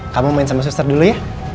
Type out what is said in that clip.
kamu main sama suster dulu ya